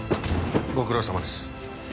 ご苦労さまです。